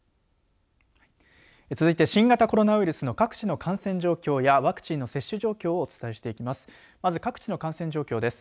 続いて新型コロナウイルスの各地の感染状況やワクチンの接種状況をお伝えしていきます。